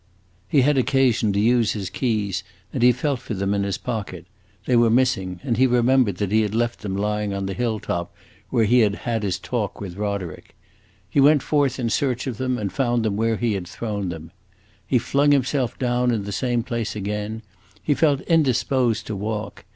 He had occasion to use his keys and he felt for them in his pocket; they were missing, and he remembered that he had left them lying on the hill top where he had had his talk with Roderick. He went forth in search of them and found them where he had thrown them. He flung himself down in the same place again; he felt indisposed to walk.